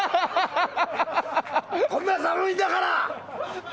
こんな寒いんだから！